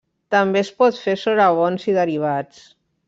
També es pot fer sobre bons i derivats.